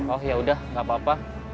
oh yaudah gak apa apa